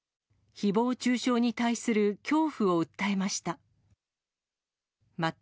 ひぼう中傷に対する恐怖を訴えました。